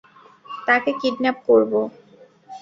তাকে কিডন্যাপ করবো।